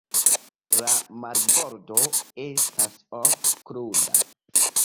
La marbordo estas ofte kruda.